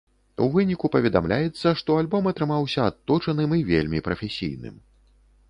У выніку, паведамляецца, што альбом атрымаўся адточаным і вельмі прафесійным.